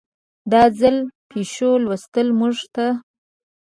د ځان پېښو لوستل موږ ته